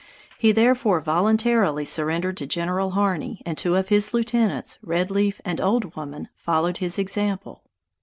He therefore voluntarily surrendered to General Harney, and two of his lieutenants, Red Leaf and Old Woman, followed his example.